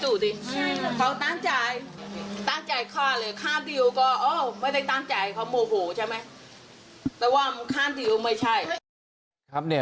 แต่ว่ามันฆ่าเดียวไม่ใช่